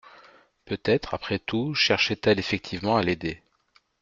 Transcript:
Peut-être après tout cherchait-elle effectivement à l’aider